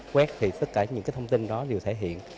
quét thì tất cả những cái thông tin đó đều thể hiện